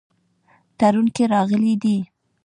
تړون کې راغلي دي.